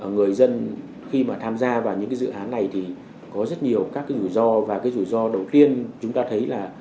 người dân khi mà tham gia vào những cái dự án này thì có rất nhiều các cái rủi ro và cái rủi ro đầu tiên chúng ta thấy là